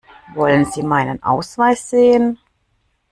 Wollen Sie meinen Ausweis sehen?